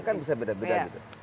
kan bisa beda beda